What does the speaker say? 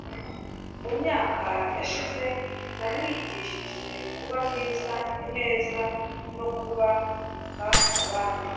mu myaka yashize, namwigishije kuba mwiza, ineza no kubaha abandi